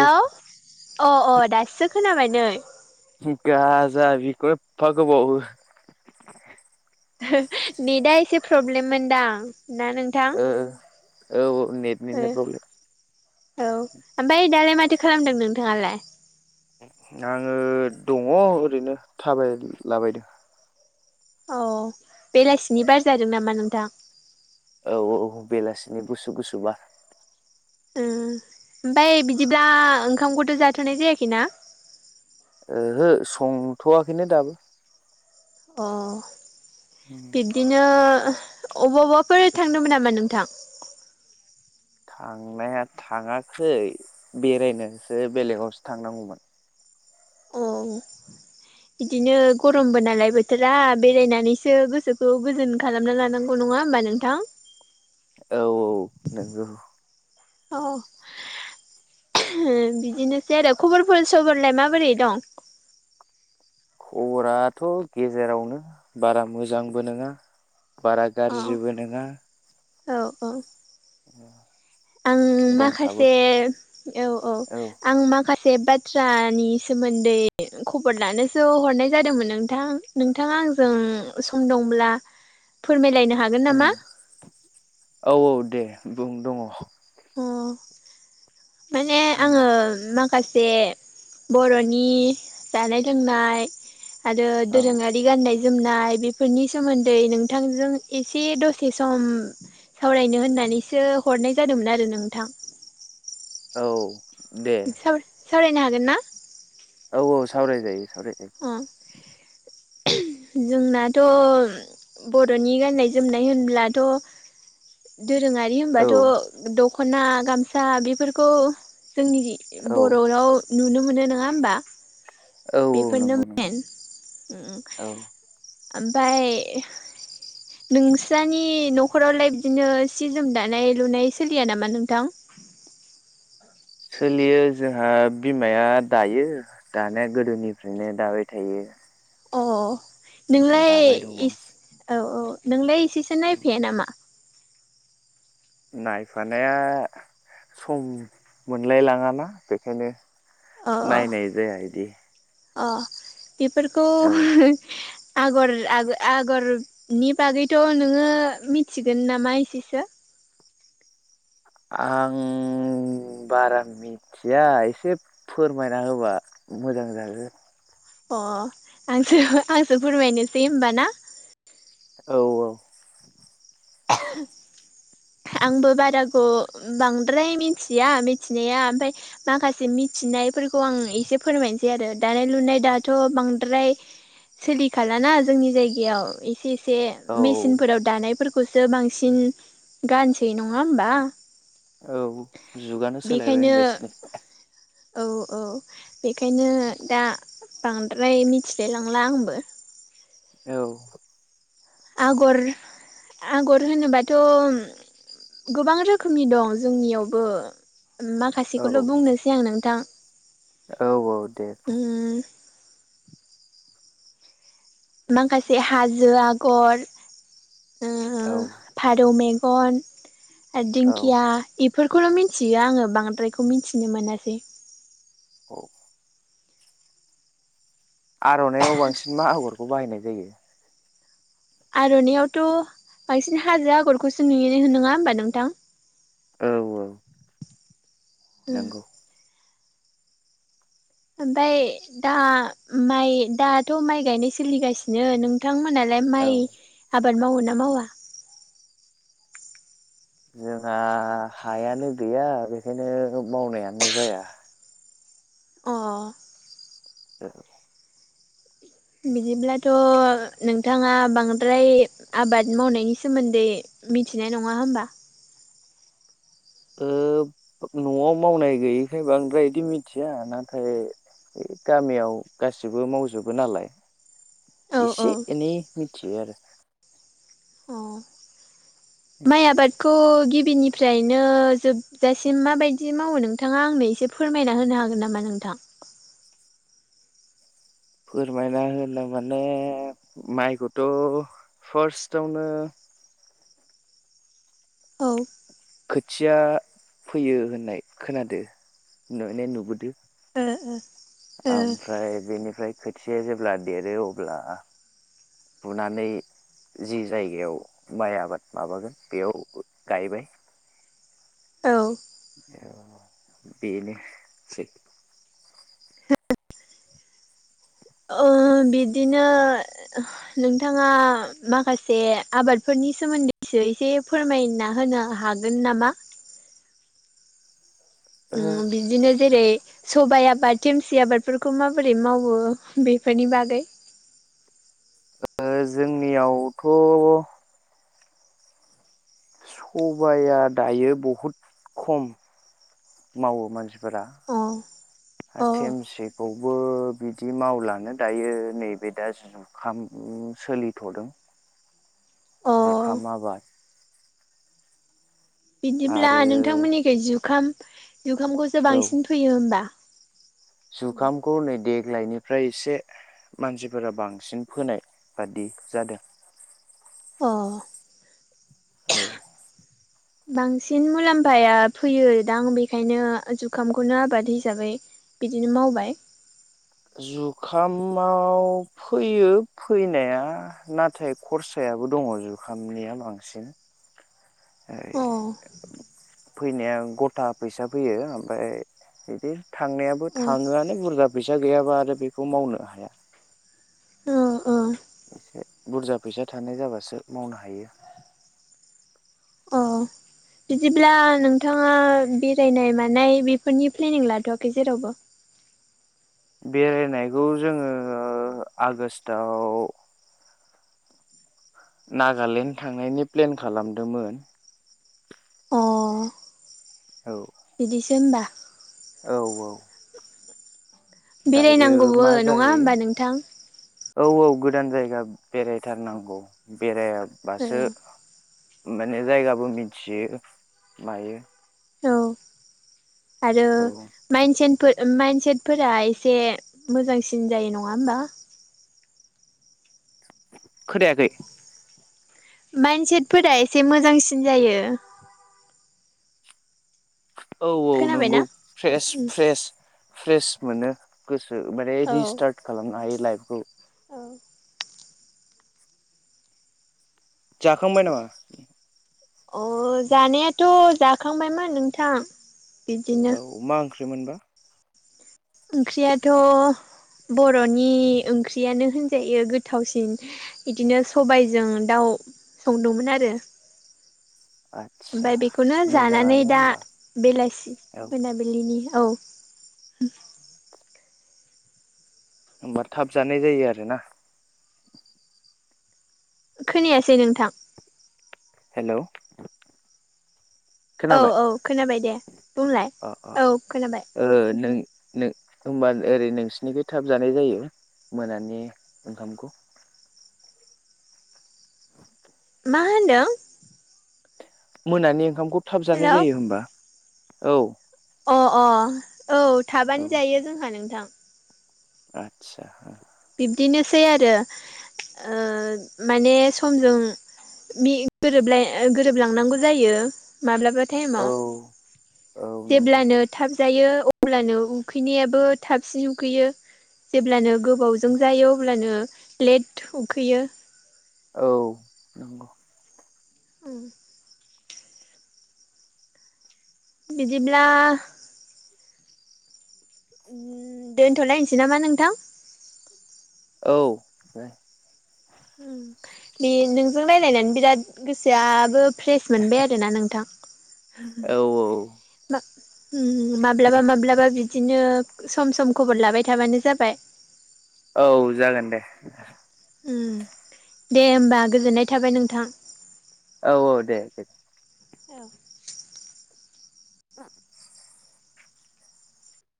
Hello अ अ खोनाबाय? दाससो खोनाबाय नै। गाजा बेफोर एपा गोबाव। नेटआ एसे प्रब्लेम मोनदां ना नों। थां ओ औ ओ। नेटनिनो प्रब्लेम औ ओमफ्राय दालाय माथो खालामदों नोंथांङालाय। आं दंङ ओरैनो थाबायलाबायदों। अ बेलासिनि बार जादों नामा नोंथां। औ औ बेलासिनि गुसु गुसु बार। ओमफ्राय बिदिब्ला ओंखामखौथ' जाथ'नाय जायाखैना। ओहो संथोयाखैनो दाबो। अ। [inaudible] बिब्दिनो अबा अबाफोर थांदोंमोन नामा नोंथां। थांनाया थाङाखै बेरायनोसो बेलेग आव सो थांनांगौमोन। औ। बिदिनो गरमबो नालाय बोथोरा बेरायनानैसो गोसोखौ गोजोन। खालामना लानांगौ नङा होमबा नोंथां। औ औ नंगौ। औ बिदिनोसै आरो खबरफोर सोबोरलाय माबोरै दं। खबराथ' गेजेरावनो बारा मोजांबो नङा। बारा अ गाज्रिबो नङा। औ औ। [inaudible] आं दंसाबो माखासे औ औ आं माखासे। ए से बाथ्रानि सोमोन्दै खबर लानोसो हरनाय जादोंमोन नोंथां। नोंथाङा आंजों सम दंब्ला फोरमायलायनो हागोन नामा औ औ दे बुं दङ अ माने आङो। माखासे बर'नि जानाय लोंनाय। आ औ दोरोंआरि। बिदि गाननाय जोमनाय बेफोरनि सोमोन्दै नोंथांजों एसे दसे सम। सावरायनो होननानैसो हरनाय जादोंमोन आरो नोंथां। औ। दे सावरायनो हागोन ना? औ औ सावराय जायो सावराय जायो। अ जोंनाथ' बर'नि गाननाय जोमनाय होनब्लाथ' दोरोङारि औ होनबाथ' दखना गामसा बेफोरखौ जोंनि औ बर' राव नुनो मोनो नङा होनबा। औ। औ बेफोरनो नंगौ नंगौ मेन औ ओमफफ्राय [inaudible] न'खरावलाय बिदिनो सि जोम दानाय लुनाय सोलिया नामा नोंथां? सोलियो जोंहा बिमाया दायो दानाया गोदोनिफ्रायनो दाबाय थायो। अ नोंलाय दाबाय दङ औ औ नोंलाय एसेसो नायफाया नामा? नायफानाया सम मोनलायलाङ ना बेखायनो अ नायनाय जाया आदि। अ बेफोरखौ औ आगर आ आगरनि बागैथ' नोङो मिथिगोन नामा एसेसो। आं बारा मिथिया एसे फोरमायना होबा मोजां जागोन। अ आंस आंसो फोरमायनोसै होनबा ना। औ औ [inaudible] आंबो बाराखौ बांद्राय मिथिया मिथिनाया ओमफफ्राय माखासे मिथिनायफोरखौ आं एसे फोरमायनोसै आरो दानाय लुनाय दाथ' बांद्राय जोंनि जायगायाव एसे औ मेसिनफोराव दानायफोरखौ खौसो बांसिन गानसै नङा होमबा? औ जुगानो सोलायबाय बेखायनो होनबायसो औ औ‌ ‌बेखायनो‌ दा बांद्राय मिथिलायलांला आंबो। औ आगर आगर होनोबाथ' गोबां रोखोमनि दं जोंनियावबो औ माखासेखौल' बुंनोसै आं नोंथां। औ औ दे उम माखासे हाजो आगर, ओ औ फारौ मेगन आरो औ दिंखिया बेफोरखौल' मिथियो आङो बांद्रायखौ मिथिनो मोनासै। औ [inaudible] आर'नायइाव बांसिन मा आगरखौ बाहायनाय जायो? आर'नायइयावथ' बांसिन हाजो आगरखौसो नुयनो होनोङा होमबा नोंथां? औ औ नंगौ ओमफफ्राय दा माइ दाथ' माइ गायनाय सोलिगासिनो नोंथां मोनहालाय औ माइ आबाद मावो ना मावा? जोंहा हायानो गैया बेखायनो मावनायानो जाया। अ [unintelligible] बिदिब्लाथ' नोंथाङा बांद्राय आबाद मावनायनि सोमोन्दै मिथिनाय नङा होमबा ओ नआव मावनाय गैयैखाय बांद्राय इदि मिथिया नाथाय गामियाव गासिबो मावजोबो नालाय औ औ एसे एनै मिथियो आरो अह [inaudible] माइ आबादखौ गिबिनिफ्रायनो जोबजासिम माबायदि मावो नोंथाङा आंनो एसे फोरमायना होनो हागोन नामा नोंथां? फोरमायना होनो माने माइखौथ' फार्स्टआवनो औ। खोथिया फोयो होननाय खोनादो नुनाय नुबोदों। ओ ओ। ओमफ्राय बेनिफ्राय खोथिया जेब्ला देरो अब्ला बुनानै जि जायगायाव माइ आबाद माबागोन बेयाव गायबाय। औ। औ बेनो सै। ओ बिदिनो नोंथाङा माखासे आबादफोरनि सोमोन्दैसो एसे फोरमायना होनो हा गोन नामा? ओ उम बिदिनो जेरै सबाइ आबाद देमसि आबादफोरखौ माबोरै मावो बेफोरनि बागै ओ जोंनियावथ' सबाया दायो बहुद खम मावो मानसि फोरा अ अ [unintelligible] खौबो बिदि मावलानो दायो नैबे दा जुग जुखाम सोलिथ'दों। अ जुखाम आबाद। बिदिब्ला आरो नोंथांमोननिखै जुखाम जुखामखौसो बांसिन फोयो होमबा जुखाम खौ नै देग्लायनिफ्राय एसे मानसिफोरा बांसिन फोनाय बादि जादों। अह। औ। बांसिन मुलाम्फाया फैयो दां बेखायनो जुखामखौनो आबाद हिसाबै बिदिनो मावबाय। जुखामाव फैयो फैनाया नाथाय खरसायाबो दङ जुखामनिया बांसिन। ओरै अह। फैनाया गथा फैसा फैयो ओमफ्राय बिदि थांनायाबो अ थाङोआनो बुरजा फैसा गैयाबा आरो बेखौ मावनो हाया। ओ ओ एसे बुरजा फैसा थानाय जाबासो मावनो हायो। अह। बिदिब्ला नोंथाङा बेरायनाय मानाय बेफोरनि प्लेनिं लाथवाखै जेरावबो बेरायनायखौ जोङो आगष्टआव नागालेण्ड थांनायनि प्लेन खालामदोंमोन। अ'। औ। बिदिसो होमबा। औ औ दायो बेरायनांगौबो मा नङा जायो होमबा नोंथां औ औ गोदान जायगा बेरायथारनांगौ बेरायाबासो औ माने जायगाबो मिथियो मायो औ आरो औ माइन सेेनफोर माइन्डसेटफोरा एसे मोजांसिन जायो नङा होमबा खोनायाखै माइन्दसेटफोरा एसे मोजांसिन जायो औ औ नंगौ खोनाबायना फ्रेश फ्रेश फ्रेश मोनो गोसो माने रिस्टार्ट खालामनो हायो लाइफखौ औ जाखांबाय नामा अ जानायाथ' जाखांबायमोन नोंथां बिदिनो औ मा ओंख्रि मोनबा ओंख्रियाथ' बर' नि ओंख्रियानो होनजायो गोथावसिन इदिनो सबायजों दाउ संदोंमोन आरो आदसा ओमफ्राय बेखौनो जानानै मोजाङानो दा होमबा बेलासि औ मोनाबिलिनि औ बि होमबा थाब जानाय जायो आरो ना खोनायासै नोंथां हेल' औ औ खोनाबाय दे बुंलाय अ अ औ खोनाबाय ओ नों नो होमबा ओरै नोंसिनिथि थाब जानाय जायो मोनानि ओंखामखौ मा होनदों मोनानि ओंखामखौ थाब जानाय हेलौ जायो होनबा औ अ अ औ थाबानो जायो जोंहा नोंथां आतसा बिब्दिनोसै आरो ओ माने समजों मि गोरोबलाय ओ गोरोबलांनांगौ जायो माब्लाबा ताइम औ आव औ नंगौ जेब्लानो थाब जायो अब्लानो उखैनायाबो थाबसिन उखैयो जेब्लानो गोबावजों जायो अब्लानो लेट उखैयो औ नंगौ उम बिदिब्ला उम दोन्थ'लायनोसै नामा नोंथां औ बे नोंजों रायलायनानै बिराद गोसोआबो फ्रेस मोनबाय आरोना नोंथां औ औ उम माब्लाबा माब्लाबा बिदिनो सम सम खबर लाबाय थाबानो जाबाय औ जागोन दे उम दे होमबा गोजोननाय थाबाय नोंथां। औ औ दे दे। औ। मा [inaudible]